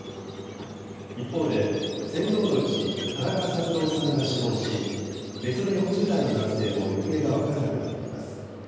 一方で、船頭のうち、田中三郎さんが死亡し、別の４０代の男性も行方が分からなくなっています。